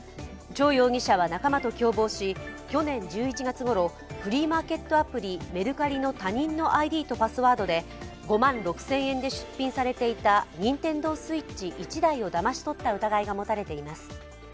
張容疑者は仲間と共謀し去年１１月ごろ、フリーマーケットアプリ、メルカリの他人のＩＤとパスワードで５万６０００円で出品されていたＮｉｎｔｅｎｄｏＳｗｉｔｃｈ、１台をだまし取った疑いが持たれています。